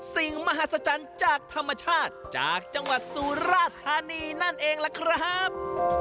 สิ่งมหัศจรรย์จากธรรมชาติจากจังหวัดสุราธานีนั่นเองล่ะครับ